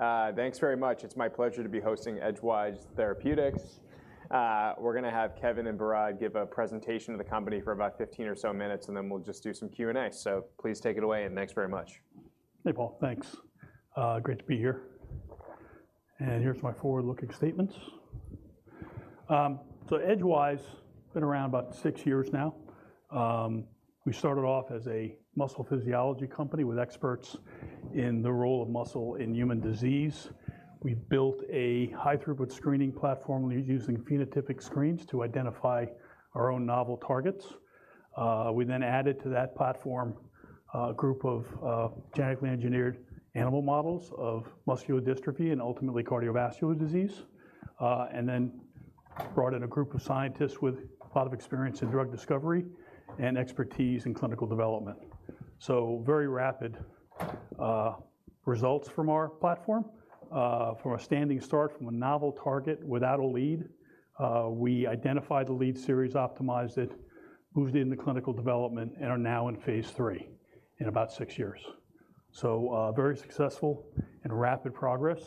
All right, thanks very much. It's my pleasure to be hosting Edgewise Therapeutics. We're gonna have Kevin and Behrad give a presentation of the company for about 15 or so minutes, and then we'll just do some Q&A. Please take it away, and thanks very much. Hey, Paul. Thanks. Great to be here, and here's my forward-looking statements. So Edgewise been around about 6 years now. We started off as a muscle physiology company with experts in the role of muscle in human disease. We built a high-throughput screening platform using phenotypic screens to identify our own novel targets. We then added to that platform a group of genetically engineered animal models of muscular dystrophy and ultimately cardiovascular disease. And then brought in a group of scientists with a lot of experience in drug discovery and expertise in clinical development. So very rapid results from our platform. From a standing start, from a novel target without a lead, we identified the lead series, optimized it, moved it into clinical development, and are now in phase III, in about 6 years. So, very successful and rapid progress.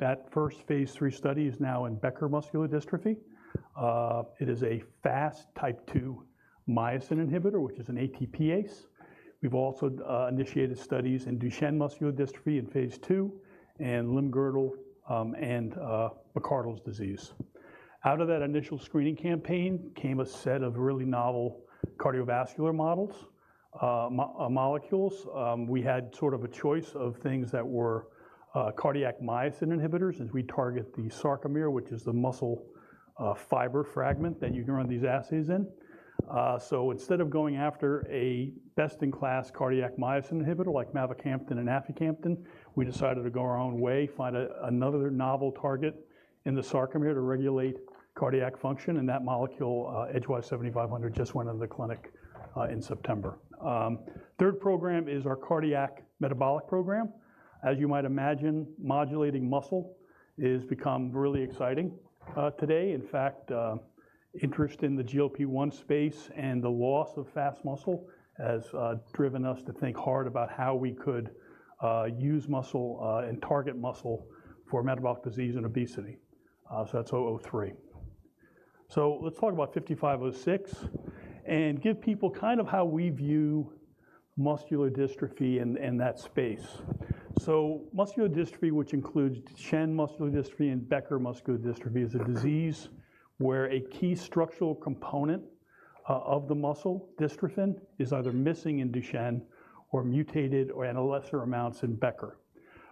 That first phase III study is now in Becker Muscular Dystrophy. It is a fast Type II myosin inhibitor, which is an ATPase. We've also initiated studies in Duchenne Muscular Dystrophy in phase II, and Limb-Girdle, and McArdle's Disease. Out of that initial screening campaign, came a set of really novel cardiovascular molecules. We had sort of a choice of things that were cardiac myosin inhibitors, as we target the sarcomere, which is the muscle fiber fragment that you can run these assays in. So instead of going after a best-in-class cardiac myosin inhibitor like mavacamten and aficamten, we decided to go our own way, find another novel target in the sarcomere to regulate cardiac function, and that molecule, EDG-7500, just went into the clinic in September. Third program is our cardiac metabolic program. As you might imagine, modulating muscle is become really exciting, today. In fact, interest in the GLP-1 space and the loss of fast muscle has driven us to think hard about how we could use muscle and target muscle for metabolic disease and obesity. So that's 7500. So let's talk about 5506, and give people kind of how we view muscular dystrophy in that space. So muscular dystrophy, which includes Duchenne muscular dystrophy and Becker muscular dystrophy, is a disease where a key structural component of the muscle, dystrophin, is either missing in Duchenne or mutated or at a lesser amounts in Becker.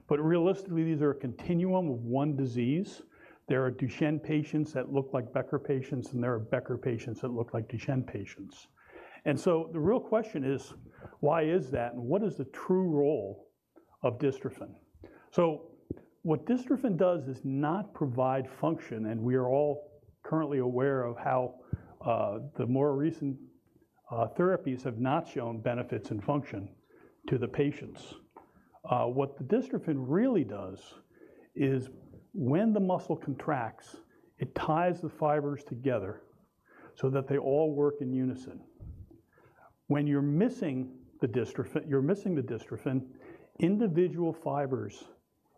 But realistically, these are a continuum of one disease. There are Duchenne patients that look like Becker patients, and there are Becker patients that look like Duchenne patients. The real question is, why is that, and what is the true role of Dystrophin? So what Dystrophin does is not provide function, and we are all currently aware of how, the more recent, therapies have not shown benefits in function to the patients. What the Dystrophin really does is when the muscle contracts, it ties the fibers together so that they all work in unison. When you're missing the Dystrophin, you're missing the Dystrophin, individual fibers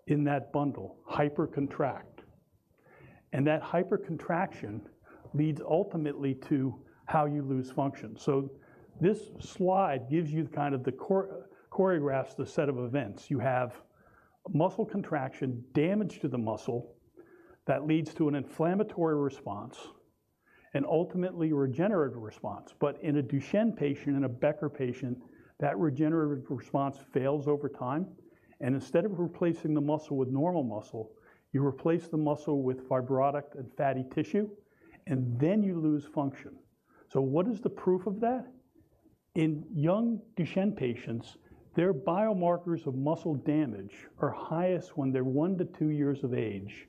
in that bundle hypercontract, and that hypercontraction leads ultimately to how you lose function. So this slide gives you kind of the choreographs, the set of events. You have muscle contraction, damage to the muscle, that leads to an inflammatory response and ultimately regenerative response. But in a Duchenne patient and a Becker patient, that regenerative response fails over time, and instead of replacing the muscle with normal muscle, you replace the muscle with fibrotic and fatty tissue, and then you lose function. So what is the proof of that? In young Duchenne patients, their biomarkers of muscle damage are highest when they're 1-2 years of age,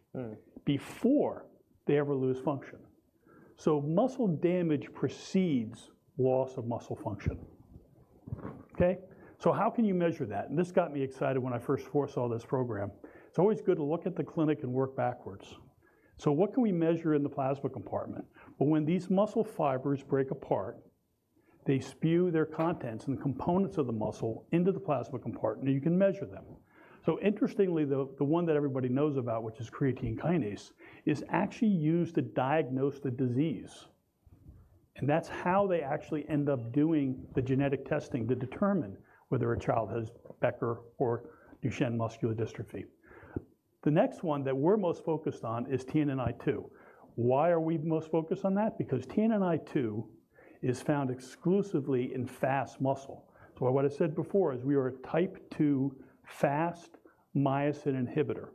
before they ever lose function. So muscle damage precedes loss of muscle function. Okay? So how can you measure that? And this got me excited when I first foresaw this program. It's always good to look at the clinic and work backwards. So what can we measure in the plasma compartment? Well, when these muscle fibers break apart, they spew their contents and components of the muscle into the plasma compartment, and you can measure them. So interestingly, the one that everybody knows about, which is creatine kinase, is actually used to diagnose the disease, and that's how they actually end up doing the genetic testing to determine whether a child has Becker Muscular Dystrophy or Duchenne Muscular Dystrophy. The next one that we're most focused on is TNNI2. Why are we most focused on that? Because TNNI2 is found exclusively in fast muscle. So what I said before is we are a Type II fast myosin inhibitor,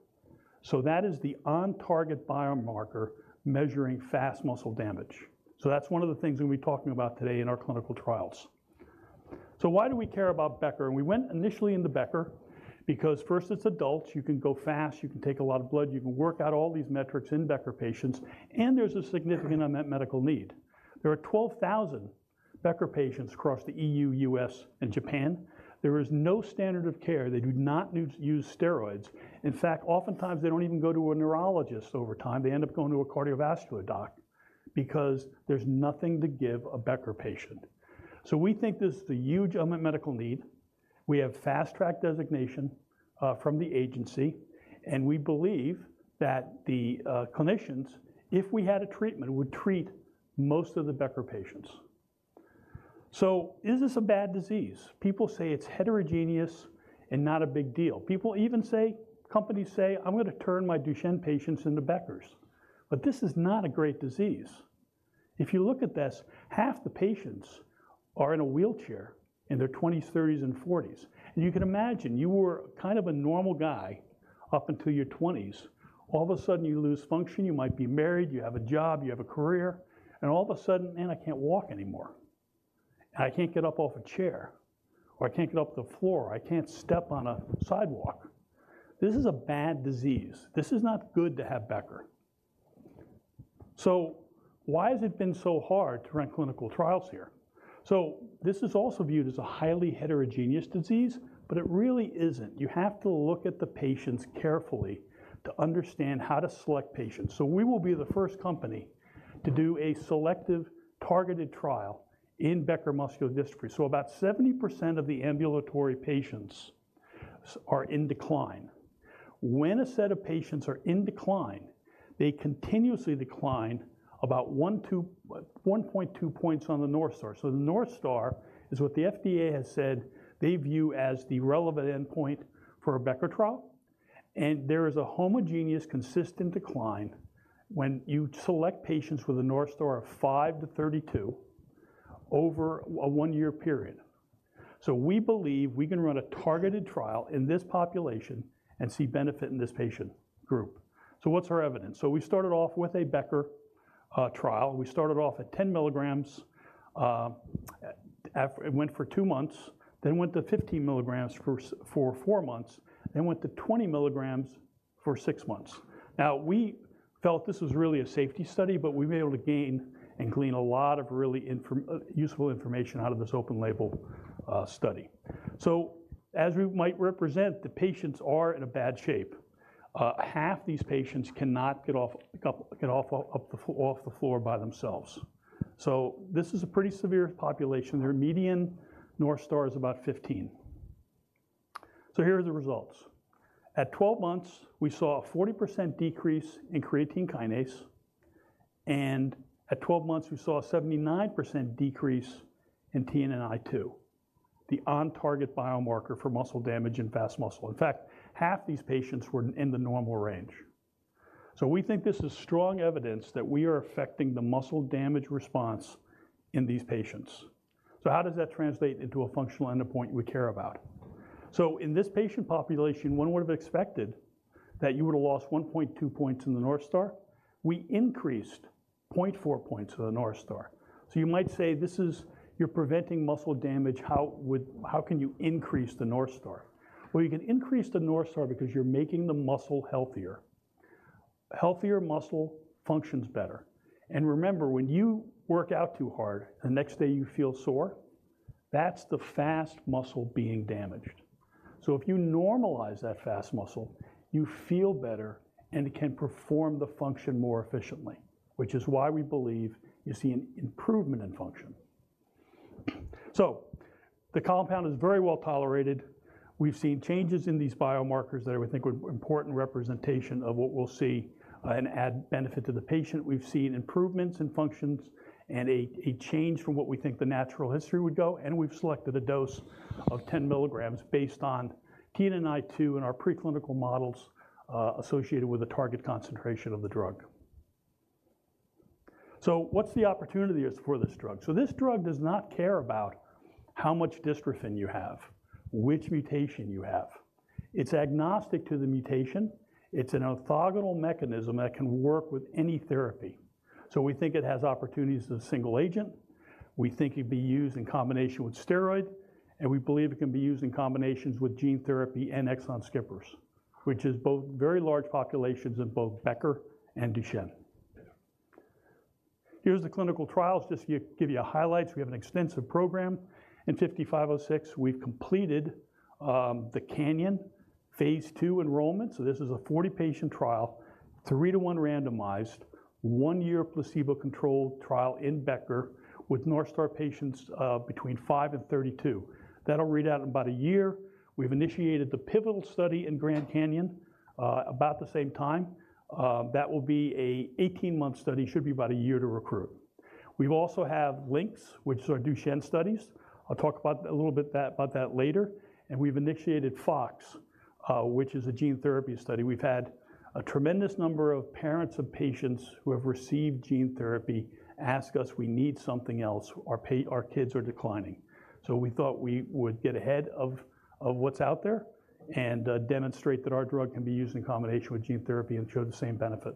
so that is the on-target biomarker measuring fast muscle damage. So that's one of the things we'll be talking about today in our clinical trials. So why do we care about Becker? We went initially into Becker because first, it's adults. You can go fast, you can take a lot of blood, you can work out all these metrics in Becker patients, and there's a significant unmet medical need. There are 12,000 Becker patients across the E.U., U.S., and Japan. There is no standard of care. They do not use steroids. In fact, oftentimes, they don't even go to a neurologist over time. They end up going to a cardiovascular doc because there's nothing to give a Becker patient. So we think this is a huge unmet medical need. We have Fast Track Designation from the agency, and we believe that the clinicians, if we had a treatment, would treat most of the Becker patients. So is this a bad disease? People say it's heterogeneous and not a big deal. People even say, companies say: "I'm gonna turn my Duchenne patients into Beckers." But this is not a great disease. If you look at this, half the patients are in a wheelchair in their twenties, thirties, and forties. And you can imagine, you were kind of a normal guy up until your twenties. All of a sudden, you lose function. You might be married, you have a job, you have a career, and all of a sudden, "Man, I can't walk anymore, and I can't get up off a chair, or I can't get off the floor. I can't step on a sidewalk." This is a bad disease. This is not good to have Becker. So why has it been so hard to run clinical trials here? So this is also viewed as a highly heterogeneous disease, but it really isn't. You have to look at the patients carefully to understand how to select patients. So we will be the first company to do a selective, targeted trial in Becker Muscular Dystrophy. So about 70% of the ambulatory patients are in decline. When a set of patients are in decline, they continuously decline about 1-1.2 points on the North Star. So the North Star is what the FDA has said they view as the relevant endpoint for a Becker trial, and there is a homogeneous, consistent decline when you select patients with a North Star of 5-32 over a 1-year period. So we believe we can run a targeted trial in this population and see benefit in this patient group. So what's our evidence? So we started off with a Becker trial. We started off at 10 mg, it went for 2 months, then went to 15 mg for 4 months, then went to 20 mg for 6 months. Now, we felt this was really a safety study, but we were able to gain and glean a lot of really useful information out of this open label study. So as we might represent, the patients are in a bad shape. Half these patients cannot get off the floor by themselves. So this is a pretty severe population. Their median North Star is about 15. So here are the results. At 12 months, we saw a 40% decrease in creatine kinase, and at 12 months, we saw a 79% decrease in TNNI2, the on-target biomarker for muscle damage in fast muscle. In fact, half these patients were in the normal range. So we think this is strong evidence that we are affecting the muscle damage response in these patients. So how does that translate into a functional endpoint we care about? So in this patient population, one would've expected that you would've lost 1.2 points in the North Star. We increased 0.4 points of the North Star. So you might say, this is... "You're preventing muscle damage. How would-- How can you increase the North Star?" Well, you can increase the North Star because you're making the muscle healthier. Healthier muscle functions better, and remember, when you work out too hard, the next day you feel sore, that's the fast muscle being damaged. So if you normalize that fast muscle, you feel better and can perform the function more efficiently, which is why we believe you see an improvement in function. So the compound is very well tolerated. We've seen changes in these biomarkers that I would think would be important representation of what we'll see, and add benefit to the patient. We've seen improvements in functions and a change from what we think the natural history would go, and we've selected a dose of 10 mg based on TNNI2 in our preclinical models, associated with the target concentration of the drug. So what's the opportunities for this drug? So this drug does not care about how much dystrophin you have, which mutation you have. It's agnostic to the mutation. It's an orthogonal mechanism that can work with any therapy. So we think it has opportunities as a single agent, we think it'd be used in combination with steroid, and we believe it can be used in combinations with gene therapy and exon skippers, which is both very large populations in both Becker and Duchenne. Here's the clinical trials, just to give you a highlights. We have an extensive program. In EDG-5506, we've completed the CANYON phase II enrollment. So this is a 40-patient trial, 3-to-1 randomized, 1-year placebo-controlled trial in Becker with North Star patients between 5 and 32. That'll read out in about a year. We've initiated the pivotal study in GRAND CANYON about the same time. That will be an 18-month study, should be about a year to recruit. We also have LYNX, which are Duchenne studies. I'll talk about that a little bit about that later, and we've initiated FOX, which is a gene therapy study. We've had a tremendous number of parents of patients who have received gene therapy ask us: "We need something else. Our kids are declining." So we thought we would get ahead of what's out there and demonstrate that our drug can be used in combination with gene therapy and show the same benefit.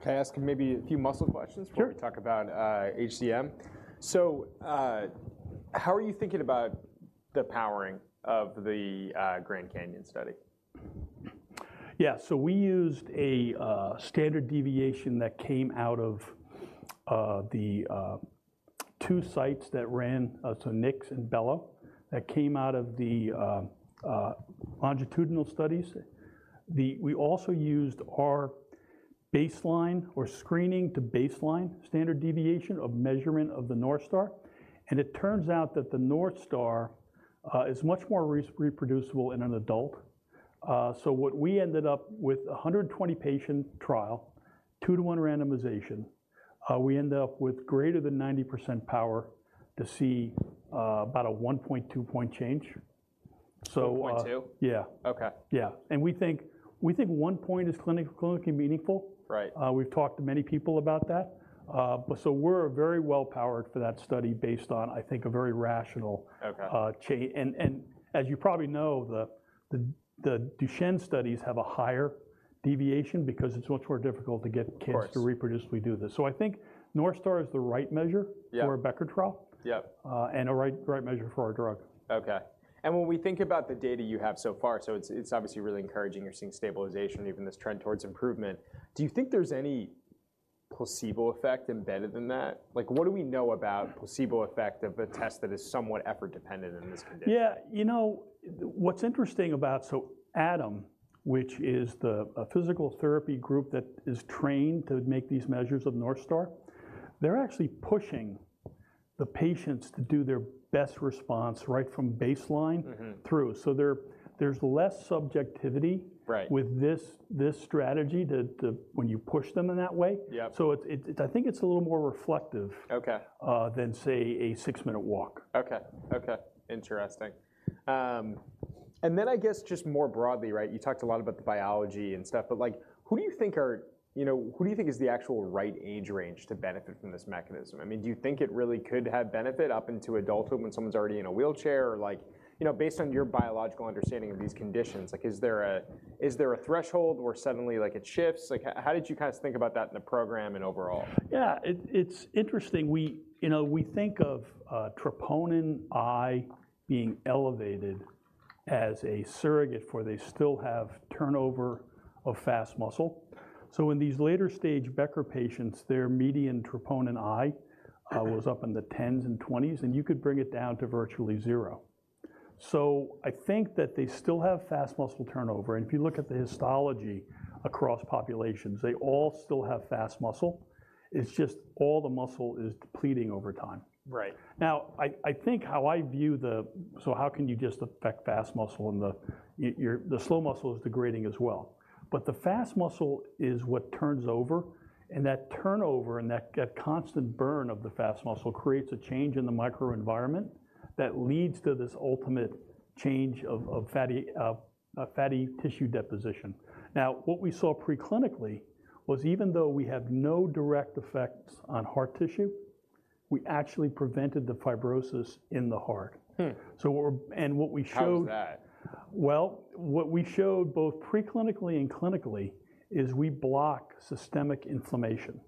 Can I ask maybe a few muscle questions? Sure. Before we talk about HCM? So, how are you thinking about the powering of the GRAND CANYON study? Yeah. So we used a standard deviation that came out of the two sites that ran, so CINRG and Bello, that came out of the longitudinal studies. We also used our baseline or screening to baseline standard deviation of measurement of the North Star, and it turns out that the North Star is much more reproducible in an adult. So what we ended up with a 120-patient trial, 2-to-1 randomization, we end up with greater than 90% power to see about a 1.2-point change. So, 1.2? Yeah. Okay. Yeah, and we think, we think 1 point is clinically meaningful. Right. We've talked to many people about that. We're very well powered for that study based on, I think, a very rational- Okay... As you probably know, the Duchenne studies have a higher deviation because it's much more difficult to get kids. Of course... to reproducibly do this. So I think North Star is the right measure- Yeah... for a Becker trial. Yep. And a right, right measure for our drug. Okay, and when we think about the data you have so far, so it's, it's obviously really encouraging. You're seeing stabilization, even this trend towards improvement. Do you think there's any placebo effect embedded in that? Like, what do we know about placebo effect of a test that is somewhat effort dependent in this condition? Yeah, you know, what's interesting about... So ATOM, which is the, a physical therapy group that is trained to make these measures of North Star, they're actually pushing the patients to do their best response right from baseline- Mm-hmm ...through. So there, there's less subjectivity- Right ... with this strategy, when you push them in that way. Yeah. I think it's a little more reflective- Okay... than, say, a six-minute walk. Okay. Okay, interesting. And then I guess just more broadly, right, you talked a lot about the biology and stuff, but, like, who do you think are, you know, who do you think is the actual right age range to benefit from this mechanism? I mean, do you think it really could have benefit up into adulthood when someone's already in a wheelchair? Or like, you know, based on your biological understanding of these conditions, like, is there a, is there a threshold where suddenly, like, it shifts? Like, how did you guys think about that in the program and overall? Yeah, it's interesting. We, you know, we think of troponin I being elevated as a surrogate for they still have turnover of fast muscle. So in these later stage Becker patients, their median troponin I was up in the 10s and 20s, and you could bring it down to virtually zero. So I think that they still have fast muscle turnover, and if you look at the histology across populations, they all still have fast muscle. It's just all the muscle is depleting over time. Right. Now, I think how I view the, so how can you just affect fast muscle and the... The slow muscle is degrading as well, but the fast muscle is what turns over, and that turnover and that constant burn of the fast muscle creates a change in the microenvironment that leads to this ultimate change of fatty tissue deposition. Now, what we saw preclinically was even though we had no direct effects on heart tissue, we actually prevented the fibrosis in the heart. Hmm. So what we're and what we showed How is that? Well, what we showed both preclinically and clinically is we block systemic inflammation.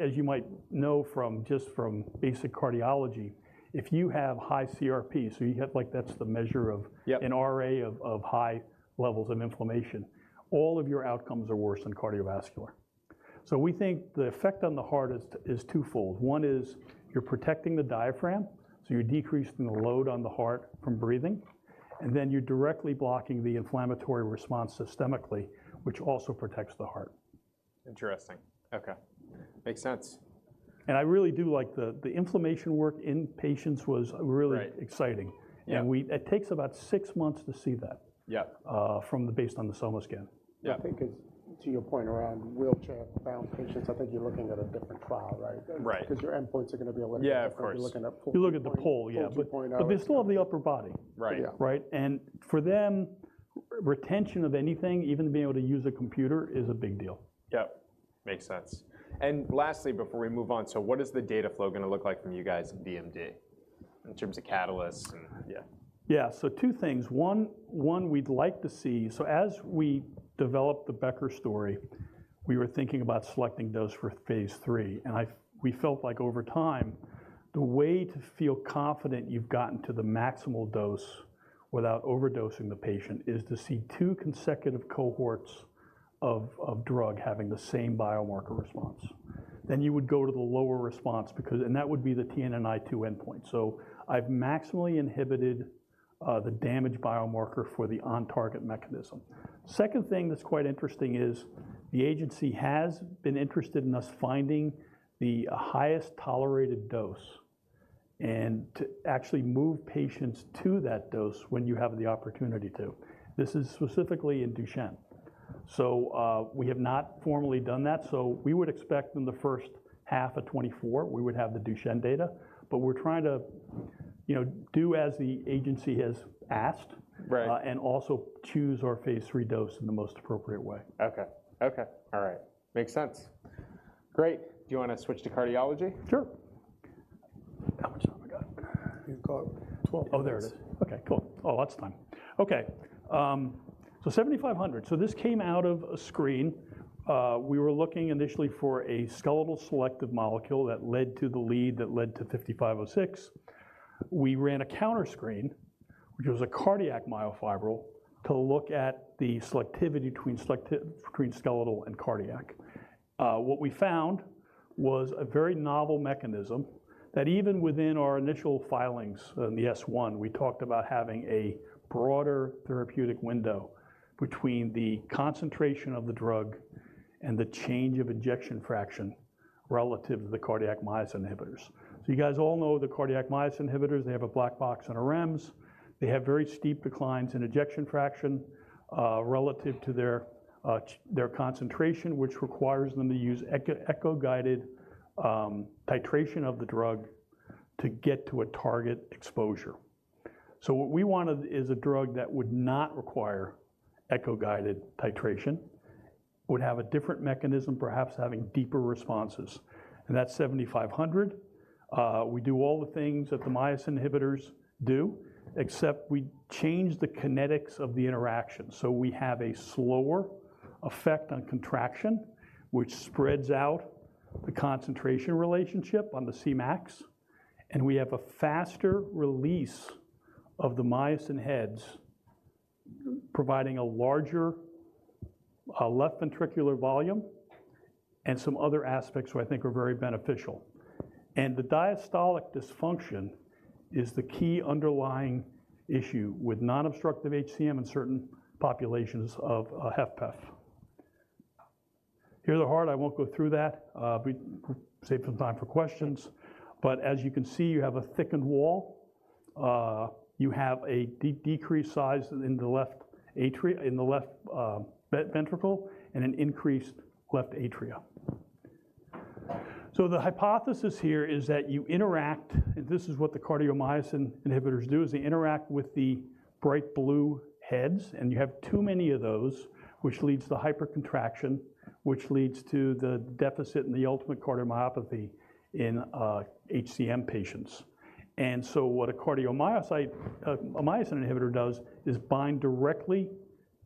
As you might know from, just from basic cardiology, if you have high CRP, so you have, like, that's the measure of- Yep... an era of high levels of inflammation, all of your outcomes are worse in cardiovascular. So we think the effect on the heart is twofold. One is you're protecting the diaphragm, so you're decreasing the load on the heart from breathing, and then you're directly blocking the inflammatory response systemically, which also protects the heart. Interesting. Okay, makes sense. I really do like the inflammation work in patients was really- Right... exciting. Yeah. It takes about six months to see that. Yeah.... from the, based on the SomaScan. Yeah. I think as to your point around wheelchair-bound patients, I think you're looking at a different trial, right? Right. 'Cause your endpoints are gonna be a little different- Yeah, of course. You're looking at- You're looking at the pole, yeah. Full point out. But they still have the upper body. Right. Right? And for them, retention of anything, even being able to use a computer, is a big deal. Yep, makes sense. Lastly, before we move on, so what is the data flow gonna look like from you guys at BMD in terms of catalysts and... Yeah. Yeah, so two things. One, we'd like to see. So as we developed the Becker story, we were thinking about selecting dose for phase III, and we felt like over time, the way to feel confident you've gotten to the maximal dose without overdosing the patient is to see two consecutive cohorts of drug having the same biomarker response. Then you would go to the lower response, because... And that would be the TNNI2 endpoint. So I've maximally inhibited the damage biomarker for the on-target mechanism. Second thing that's quite interesting is the agency has been interested in us finding the highest tolerated dose and to actually move patients to that dose when you have the opportunity to. This is specifically in Duchenne. So, we have not formally done that, so we would expect in the first half of 2024, we would have the Duchenne data. But we're trying to, you know, do as the agency has asked- Right... and also choose our phase III dose in the most appropriate way. Okay. Okay, all right. Makes sense. Great! Do you wanna switch to cardiology? Sure. How much time we got? You've got 12 minutes. Oh, there it is. Okay, cool. Oh, lots of time. Okay, so 7,500. So this came out of a screen. We were looking initially for a skeletal selective molecule that led to the lead, that led to 5,506. We ran a counter screen, which was a cardiac myofibril, to look at the selectivity between skeletal and cardiac. What we found was a very novel mechanism, that even within our initial filings in the S-1, we talked about having a broader therapeutic window between the concentration of the drug and the change of ejection fraction relative to the cardiac myosin inhibitors. So you guys all know the cardiac myosin inhibitors, they have a black box and a REMS. They have very steep declines in ejection fraction relative to their concentration, which requires them to use echo-guided titration of the drug to get to a target exposure. So what we wanted is a drug that would not require echo-guided titration, would have a different mechanism, perhaps having deeper responses, and that's EDG-7500. We do all the things that the myosin inhibitors do, except we change the kinetics of the interaction. So we have a slower effect on contraction, which spreads out the concentration relationship on the Cmax, and we have a faster release of the myosin heads, providing a larger left ventricular volume and some other aspects, which I think are very beneficial. And the diastolic dysfunction is the key underlying issue with non-obstructive HCM in certain populations of HFpEF. Here are the heart. I won't go through that, we save some time for questions, but as you can see, you have a thickened wall. You have a decreased size in the left ventricle and an increased left atrium. So the hypothesis here is that you interact... And this is what the cardiomyopathy inhibitors do, is they interact with the bright blue heads, and you have too many of those, which leads to hypercontraction, which leads to the deficit and the ultimate cardiomyopathy in HCM patients. And so what a cardiac myosin inhibitor does is bind directly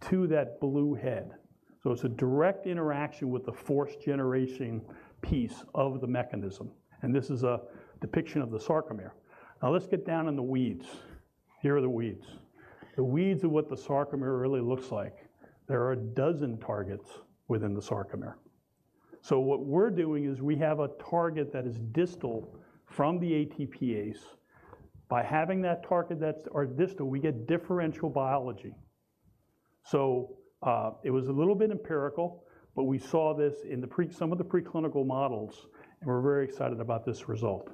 to that blue head. So it's a direct interaction with the force generation piece of the mechanism, and this is a depiction of the sarcomere. Now, let's get down in the weeds. Here are the weeds. The weeds are what the sarcomere really looks like. There are a dozen targets within the sarcomere. So what we're doing is we have a target that is distal from the ATPase. By having that target that's distal, we get differential biology. So, it was a little bit empirical, but we saw this in some of the preclinical models, and we're very excited about this result.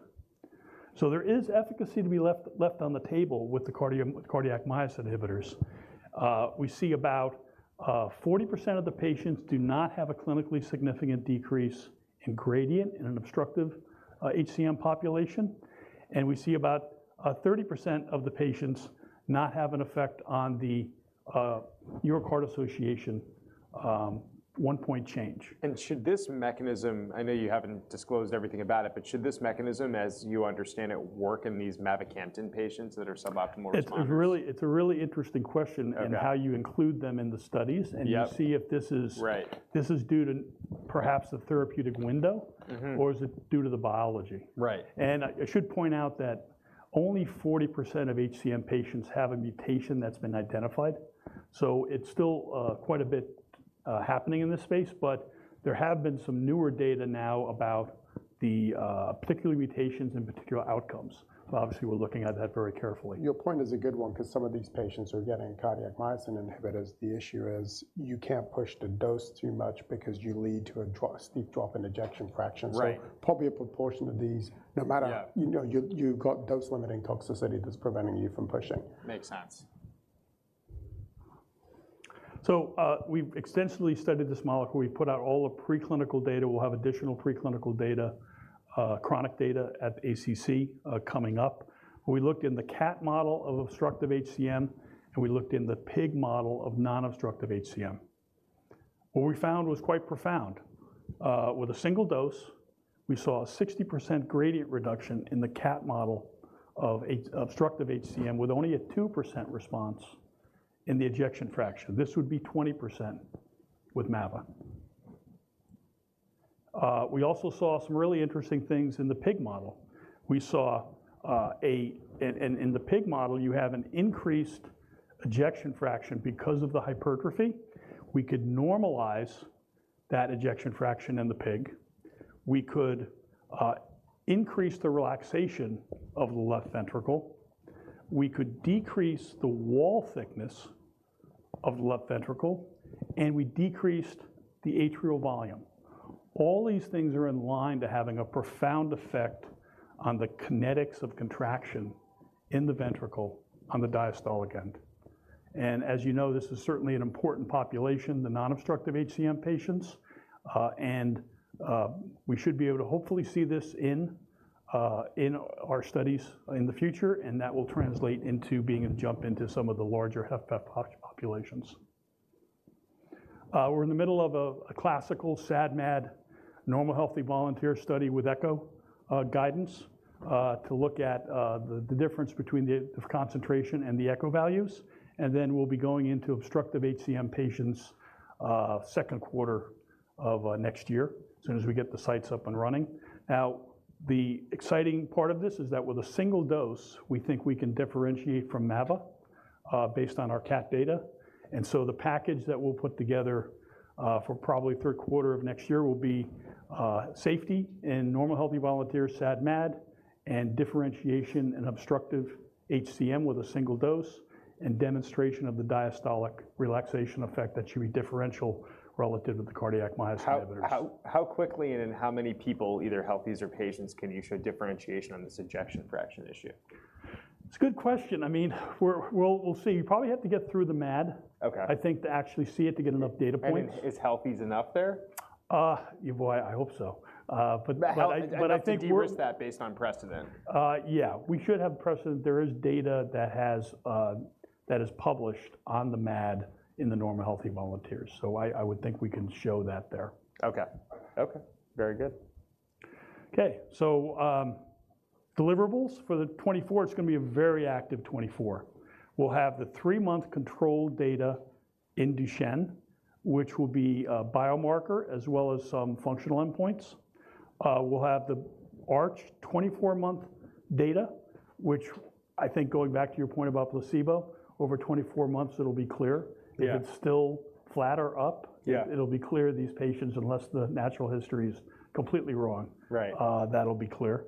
So there is efficacy to be left on the table with the cardiac myosin inhibitors. We see about 40% of the patients do not have a clinically significant decrease in gradient in an obstructive HCM population, and we see about 30% of the patients not have an effect on the New York Heart Association 1-point change. Should this mechanism, I know you haven't disclosed everything about it, but should this mechanism, as you understand it, work in these mavacamten patients that are suboptimal responders? It's a really interesting question. Okay. and how you include them in the studies. Yep. and you see if this is Right. This is due to perhaps the therapeutic window. Mm-hmm. or is it due to the biology? Right. I should point out that only 40% of HCM patients have a mutation that's been identified, so it's still quite a bit happening in this space. But there have been some newer data now about the particular mutations and particular outcomes. So obviously, we're looking at that very carefully. Your point is a good one 'cause some of these patients are getting cardiac myosin inhibitors. The issue is you can't push the dose too much because you lead to a steep drop in ejection fraction. Right. Probably a proportion of these, no matter- Yeah... you know, you've got dose-limiting toxicity that's preventing you from pushing. Makes sense. So, we've extensively studied this molecule. We've put out all the preclinical data. We'll have additional preclinical data, chronic data at ACC, coming up. We looked in the cat model of obstructive HCM, and we looked in the pig model of non-obstructive HCM. What we found was quite profound. With a single dose, we saw a 60% gradient reduction in the cat model of obstructive HCM, with only a 2% response in the ejection fraction. This would be 20% with Mava. We also saw some really interesting things in the pig model. In the pig model, you have an increased ejection fraction because of the hypertrophy. We could normalize that ejection fraction in the pig. We could increase the relaxation of the left ventricle, we could decrease the wall thickness of the left ventricle, and we decreased the atrial volume. All these things are in line to having a profound effect on the kinetics of contraction in the ventricle on the diastolic end. And as you know, this is certainly an important population, the non-obstructive HCM patients, and we should be able to hopefully see this in in our studies in the future, and that will translate into being a jump into some of the larger HFpEF populations. We're in the middle of a classical SAD MAD normal healthy volunteer study with echo guidance to look at the difference between the concentration and the echo values, and then we'll be going into obstructive HCM patients second quarter of next year, as soon as we get the sites up and running. Now, the exciting part of this is that with a single dose, we think we can differentiate from mavacamten based on our cat data. And so the package that we'll put together for probably third quarter of next year will be safety in normal healthy volunteers, SAD MAD, and differentiation and obstructive HCM with a single dose, and demonstration of the diastolic relaxation effect that should be differential relative to the cardiac myosin inhibitors. How quickly and in how many people, either healthies or patients, can you show differentiation on this ejection fraction issue? It's a good question. I mean, we're, we'll see. You probably have to get through the MAD- Okay. I think, to actually see it, to get enough data points. Is healthy enough there? Boy, I hope so. But I think we're- You'd have to de-risk that based on precedent. Yeah, we should have precedent. There is data that has, that is published on the MAD in the normal, healthy volunteers. So I would think we can show that there. Okay. Okay, very good. Okay, so, deliverables for the 2024, it's gonna be a very active 2024. We'll have the 3-month control data in Duchenne, which will be a biomarker as well as some functional endpoints. We'll have the ARCH 24-month data, which I think, going back to your point about placebo, over 24 months, it'll be clear. Yeah. If it's still flat or up- Yeah... it'll be clear, these patients, unless the natural history is completely wrong. Right. That'll be clear.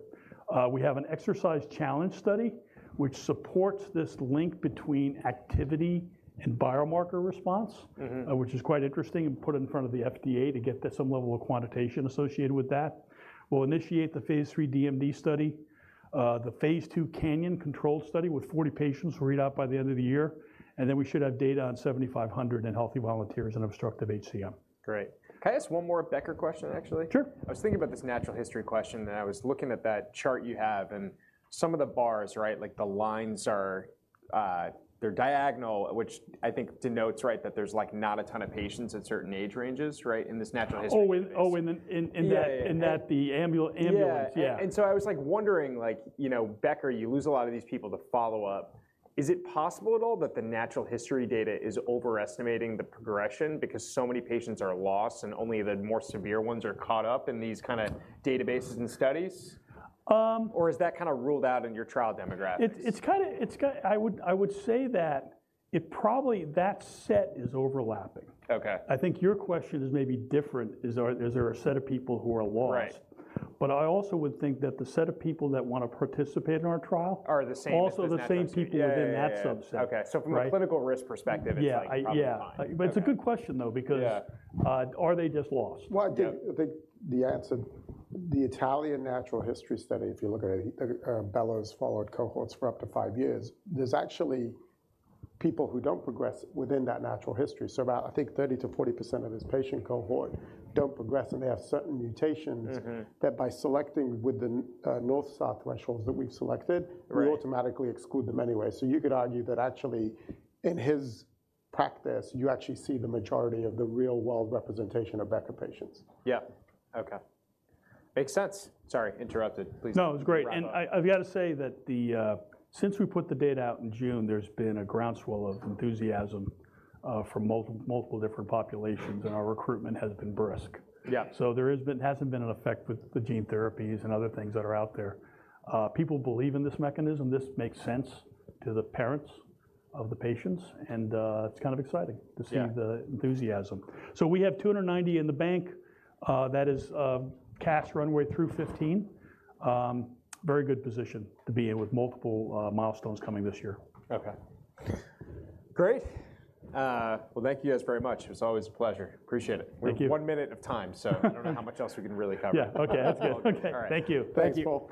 We have an exercise challenge study, which supports this link between activity and biomarker response- Mm-hmm... which is quite interesting, and put it in front of the FDA to get some level of quantitation associated with that. We'll initiate the phase III DMD study, the phase II CANYON controlled study with 40 patients will read out by the end of the year, and then we should have data on EDG-7500 in healthy volunteers and obstructive HCM. Great. Can I ask one more Becker question, actually? Sure. I was thinking about this natural history question, and I was looking at that chart you have and some of the bars, right, like the lines are, they're diagonal, which I think denotes, right, that there's, like, not a ton of patients at certain age ranges, right, in this natural history. Oh, in that- Yeah... in that the ambulant. Yeah. Yeah. So I was like wondering, like, you know, Becker, you lose a lot of these people to follow up. Is it possible at all that the natural history data is overestimating the progression because so many patients are lost, and only the more severe ones are caught up in these kinda databases and studies? Um- Or is that kinda ruled out in your trial demographics? It's kinda. I would say that it probably, that set is overlapping. Okay. I think your question is maybe different, is there a set of people who are lost? Right. But I also would think that the set of people that wanna participate in our trial- Are the same as the natural-... also the same people within that subset. Yeah, yeah, yeah. Okay. Right? From a clinical risk perspective, it's like, probably fine. Yeah. But it's a good question, though, because- Yeah... are they just lost? Well, the answer, the Italian natural history study, if you look at it, Bello followed cohorts for up to five years. There's actually people who don't progress within that natural history. So about, I think 30%-40% of his patient cohort don't progress, and they have certain mutations. Mm-hmm... that by selecting with the, North Star thresholds that we've selected- Right... we automatically exclude them anyway. So you could argue that actually, in his practice, you actually see the majority of the real-world representation of Becker patients. Yeah. Okay. Makes sense. Sorry, interrupted. Please. No, it's great. Wrap up. I've gotta say that since we put the data out in June, there's been a groundswell of enthusiasm from multiple different populations, and our recruitment has been brisk. Yeah. So there has been, hasn't been an effect with the gene therapies and other things that are out there. People believe in this mechanism. This makes sense to the parents of the patients, and it's kind of exciting- Yeah... to see the enthusiasm. So we have $290 million in the bank. That is, cash runway through 2025. Very good position to be in with multiple milestones coming this year. Okay, great. Well, thank you guys very much. It's always a pleasure. Appreciate it. Thank you. We've one minute of time, so... I don't know how much else we can really cover. Yeah. Okay, that's good. Okay. Thank you. Thanks, Paul.